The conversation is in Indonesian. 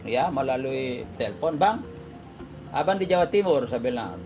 ya melalui telpon bang abang di jawa timur saya bilang